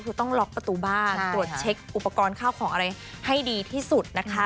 คือต้องล็อกประตูบ้านตรวจเช็คอุปกรณ์ข้าวของอะไรให้ดีที่สุดนะคะ